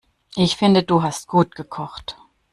Ich finde du hast gut gekocht.